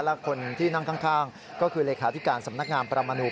และคนที่นั่งข้างก็คือเลขาธิการสำนักงามประมาณนู